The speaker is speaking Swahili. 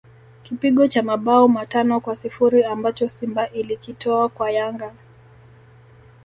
Kipigo cha mabao matano kwa sifuri ambacho Simba ilikitoa kwa Yanga